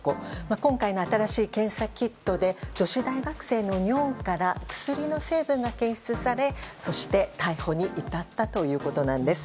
今回の新しい検査キットで女子大学生の尿から薬の成分が検出されそして逮捕に至ったということなんです。